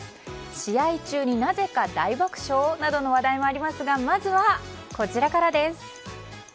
試合中になぜか爆笑？などの話題もありますがまずは、こちらからです。